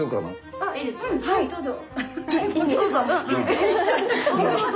はいどうぞ。